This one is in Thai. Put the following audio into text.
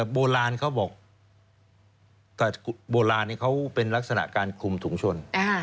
โบราณเขาบอกแต่โบราณนี้เขาเป็นลักษณะการคลุมถุงชน